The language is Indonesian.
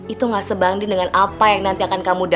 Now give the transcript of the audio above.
itu gak sebanding dengan apa yang nanti akan kamu dapatkan